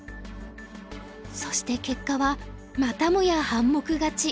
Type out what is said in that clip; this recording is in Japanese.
そして結果はまたもや半目勝ち。